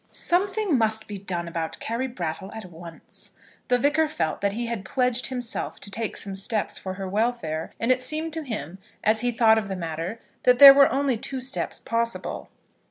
"Something must be done about Carry Brattle at once." The Vicar felt that he had pledged himself to take some steps for her welfare, and it seemed to him, as he thought of the matter, that there were only two steps possible.